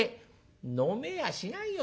「飲めやしないよ